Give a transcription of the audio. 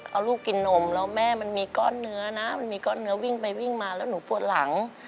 เอาลูกกินนมแล้วแม่มันมีก้อนเนื้อนะมันมีก้อนเนื้อวิ่งไปวิ่งมาแล้วหนูปวดหลัง